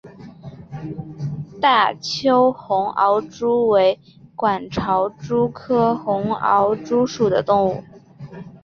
大邱红螯蛛为管巢蛛科红螯蛛属的动物。